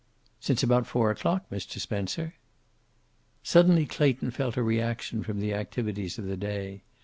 "Since about four o'clock, Mr. Spencer." Suddenly Clayton felt a reaction from the activities of the day.